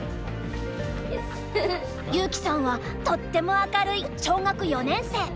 優希さんはとっても明るい小学４年生。